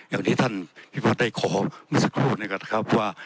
อย่างที่ท่านพี่พระได้ขอมันสักครู่นะครับครับว่า